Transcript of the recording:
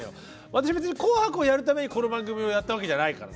私別に「紅白」をやるためにこの番組をやったわけじゃないからね。